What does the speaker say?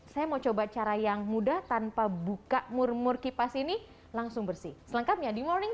saya mau coba cara yang mudah tanpa buka mur mur kipas ini langsung bersih selengkapnya di morning